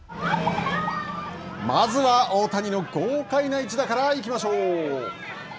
まずは大谷の豪快な一打から行きましょう。